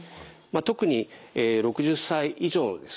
特に６０歳以上のですね